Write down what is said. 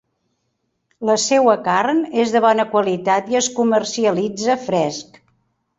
La seua carn és de bona qualitat i es comercialitza fresc.